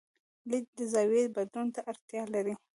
لید د زاویې بدلون ته اړتیا لري.